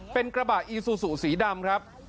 เป็นกระบะอีซูซูสีดำครับ